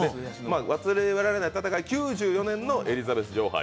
忘れられない戦い、９４年のエリザベス女王杯。